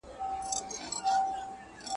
زه غریب پر لاري تلمه تا په غبرګو وویشتمه.